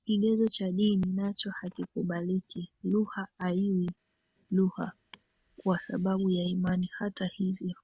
Kigezo cha dini nacho hakikubaliki lugha haiwi lugha kwa sababu ya imani Hata hivyo